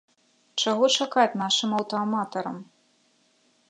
Чаго чакаць нашым аўтааматарам?